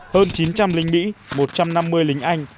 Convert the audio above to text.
hơn chín trăm linh lính mỹ một trăm năm mươi lính anh